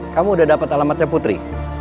kamu udah dapat alamatnya putri